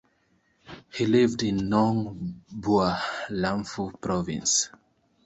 He lived in Nong Bua Lamphu Province.